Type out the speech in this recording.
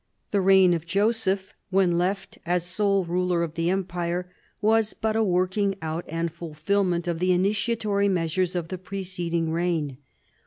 The reign of Joseph, when left as sole ruler of the empire, was but a working out and fulfilment of the initiatory measures of the preceding reign.